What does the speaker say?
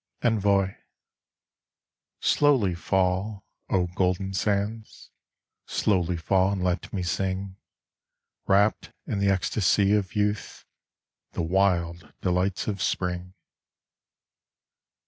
ENVOI Slowly fall, O golden sands, Slowly fall and let me sing, Wrapt in the ecstasy of youth. The wild delights of Spring.